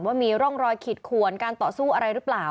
ว่ามีร่องรอยขีดขวนการต่อสู้อะไรหรือเปล่า